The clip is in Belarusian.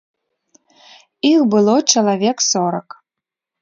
Іх было чалавек сорак.